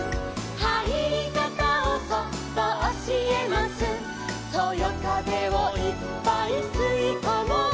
「はいりかたをそっとおしえます」「そよかぜをいっぱいすいこもう」